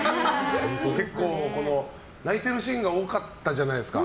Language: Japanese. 結構、泣いているシーンが多かったじゃないですか。